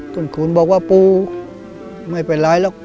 คุณขูนบอกว่าปูไม่เป็นไรหรอก